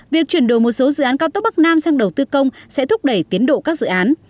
việc chuyển đổi một số dự án cao tốc bắc nam sang đầu tư công sẽ thúc đẩy tiến độ các dự án